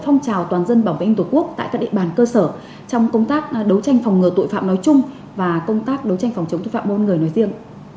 phong trào toàn dân bảo vệ an tổ quốc tại các địa bàn cơ sở trong công tác đấu tranh phòng ngừa tội phạm nói chung và công tác đấu tranh phòng chống tội phạm buôn người nói riêng